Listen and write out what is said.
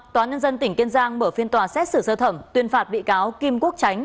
tòa nhân đang mở phiên tòa xét xử sơ thẩm tuyên phạt bị cáo kim quốc tránh